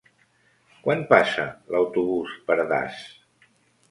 Quan passa l'autobús per Das?